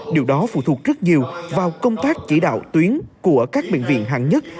điều đó phụ thuộc rất nhiều vào công tác chỉ đạo tuyến của các bệnh viện hạng nhất